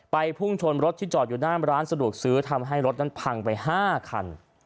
พุ่งชนรถที่จอดอยู่หน้าร้านสะดวกซื้อทำให้รถนั้นพังไป๕คัน